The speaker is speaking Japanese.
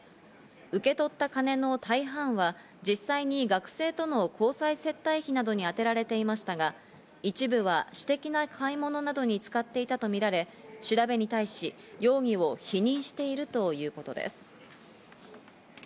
受け取った金の大半は実際に学生との交際接待費などに充てられていましたが、一部は私的な買い物などに使っていたとみられ、調べに対し容疑を否認しているということです。